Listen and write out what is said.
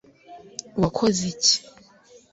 wakoze iki